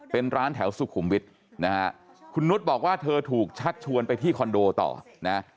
เป็นร้านแถวสุขุมวิทย์นะฮะคุณนุษย์บอกว่าเธอถูกชักชวนไปที่คอนโดต่อนะ